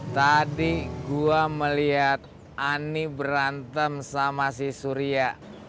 tadi gue melihat ani berantem sama si surya